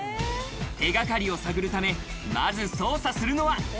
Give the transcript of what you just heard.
手掛かりを探るためまず捜査するのは。